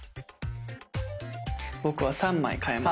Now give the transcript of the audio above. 僕は３枚換えます。